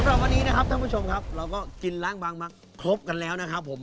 สำหรับวันนี้นะครับท่านผู้ชมครับเราก็กินล้างบางมาครบกันแล้วนะครับผม